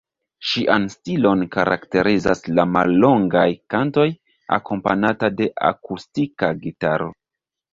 Ŝian stilon karakterizas la mallongaj kantoj, akompanata de akustika gitaro.